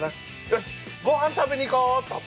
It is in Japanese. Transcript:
よしごはん食べに行こうっと。